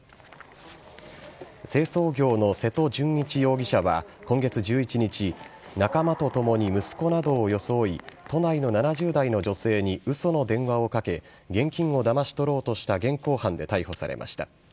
清掃業の瀬戸淳一容疑者は今月１１日仲間とともに息子などを装い都内の７０代の女性に嘘の電話をかけ現金をだまし取ろうとした現行犯で逮捕されました。